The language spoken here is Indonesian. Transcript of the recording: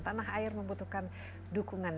tanah air membutuhkan dukungan